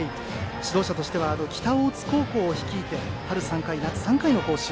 指導者としては北大津高校を率いて春３回、夏３回。